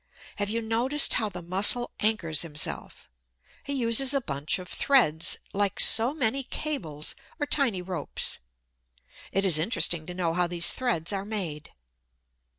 Have you noticed how the Mussel anchors himself? He uses a bunch of threads, like so many cables or tiny ropes. It is interesting to know how these threads are made.